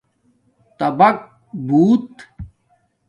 تبگ بُوت